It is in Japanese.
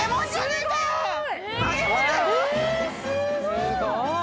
すごーい！